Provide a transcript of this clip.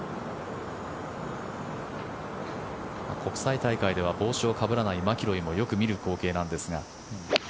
国際大会では帽子をかぶらないマキロイもよく見る光景なんですが。